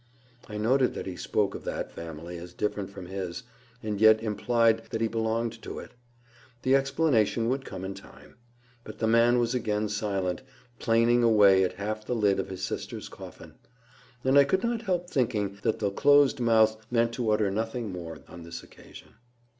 I noted that he spoke of that family as different from his, and yet implied that he belonged to it. The explanation would come in time. But the man was again silent, planing away at half the lid of his sister's coffin. And I could not help thinking that the closed mouth meant to utter nothing more on this occasion.